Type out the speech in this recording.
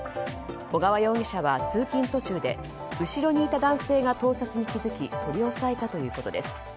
小川容疑者は通勤途中で後ろにいた男性が盗撮に気付き取り押さえたということです。